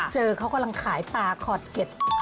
เจอเขากำลังขายปลาขอดเก็ต